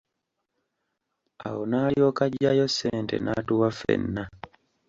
Awo n'alyoka aggyayo ssente n'atuwa ffenna,